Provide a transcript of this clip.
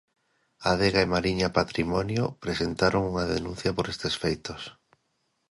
Adega e Mariña Patrimonio presentaron unha denuncia por estes feitos.